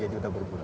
tiga juta berbulan